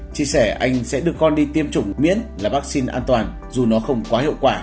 chia sẻ anh sẽ được con đi tiêm chủng miễn là vaccine an toàn dù nó không quá hiệu quả